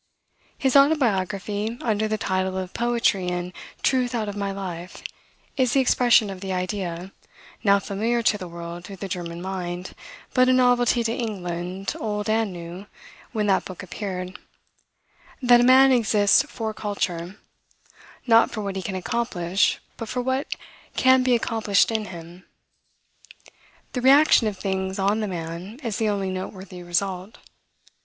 His autobiography, under the title of "Poetry and Truth Out of My Life," is the expression of the idea, now familiar to the world through the German mind, but a novelty to England, Old and New, when that book appeared, that a man exists for culture; not for what he can accomplish, but for what can be accomplished in him. The reaction of things on the man is the only noteworthy result.